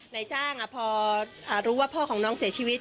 นายจ้างพอรู้ว่าพ่อของน้องเสียชีวิต